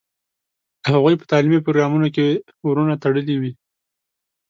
د هغوی په تعلیمي پروګرامونو کې ورونه تړلي وي.